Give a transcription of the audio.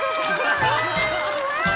わい！